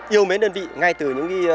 yêu mến đơn vị ngay từ những